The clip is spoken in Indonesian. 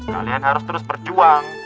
kalian harus terus berjuang